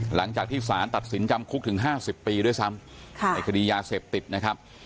หลังจากที่สารตัดสินจำคุกถึง๕๐ปีด้วยซ้ำในคดียาเสพติดนะครับ